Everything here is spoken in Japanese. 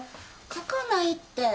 書かないって。